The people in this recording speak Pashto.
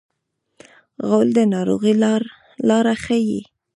غول د ناروغۍ لاره ښيي.